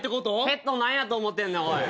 ペット何やと思ってんねんおい。